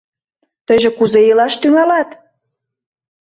Тыйже кузе илаш тӱҥалат?..